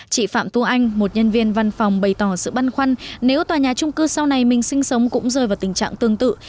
chị phạm thu anh một nhân viên văn phòng bày tỏ sự băn khoăn nếu tòa nhà trung cư sau này mình sinh sống cũng rơi vào tình trạng tương tự